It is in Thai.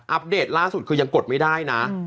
เดตล่าสุดคือยังกดไม่ได้นะ